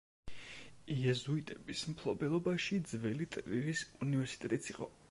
იეზუიტების მფლობელობაში ძველი ტრირის უნივერსიტეტიც იყო.